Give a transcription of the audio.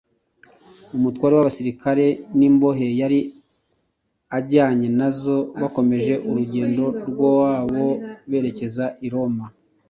umutware w’abasirikare n’imbohe yari ajyanye nazo bakomeje urugendo rwabo berekeza i Roma